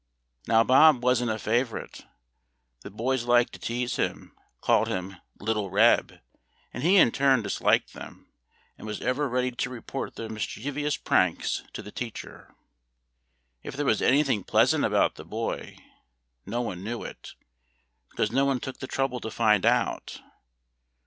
Now Bob wasn't a favorite. The boys liked to tease him, called him "Little Reb," and he in turn disliked them, and was ever ready to report their mischievous pranks to the teacher. If there was anything pleasant about the boy, no one knew it, because no one took the trouble to find out.